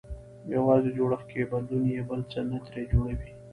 يوازې جوړښت کې بدلون يې بل څه نه ترې جوړوي.